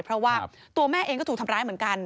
เพราะว่าตัวแม่เองก็ถูกทำร้ายเหมือนกัน